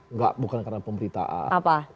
enggak bukan karena pemberitaan